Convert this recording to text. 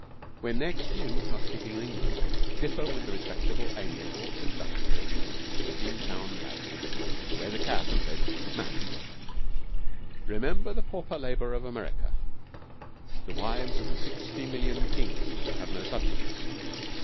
When next you, housekeeping in England, differ with the respectable, amiable, industrious sixteen pound maid, who wears a cap and says 'Ma'am,' remember the pauper labour of America the wives of the sixty million kings who have no subjects.